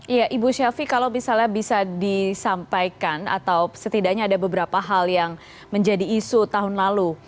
iya ibu syafie kalau misalnya bisa disampaikan atau setidaknya ada beberapa hal yang menjadi isu tahun lalu